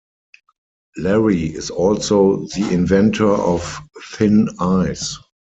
Larry is also the inventor of "Thin Ice".